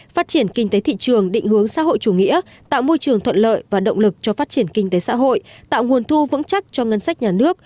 phát triển kinh tế thị trường định hướng xã hội chủ nghĩa tạo môi trường thuận lợi và động lực cho phát triển kinh tế xã hội tạo nguồn thu vững chắc cho ngân sách nhà nước